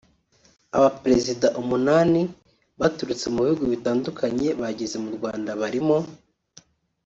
Abaperezida umunani baturutse mu bihugu bitandukanye bageze mu Rwanda barimo